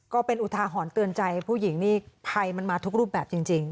ก็เป็นอุทาหรณ์เตือนใจผู้หญิงนี่ภัยมันมาทุกรูปแบบจริง